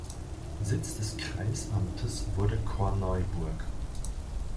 Sitz des Kreisamtes wurde Korneuburg.